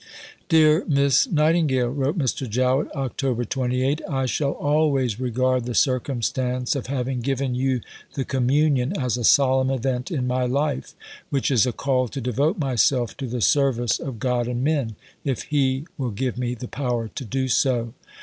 "Dear Miss Nightingale," wrote Mr. Jowett (Oct. 28), "I shall always regard the circumstance of having given you the Communion as a solemn event in my life which is a call to devote myself to the service of God and men (if He will give me the power to do so).